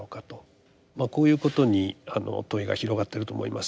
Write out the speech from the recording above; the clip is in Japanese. まあこういうことに問いが広がってると思います。